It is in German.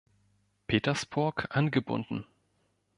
Petersburg angebunden.